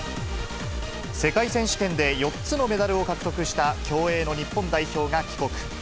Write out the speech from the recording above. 世界選手権で４つのメダルを獲得した、競泳の日本代表が帰国。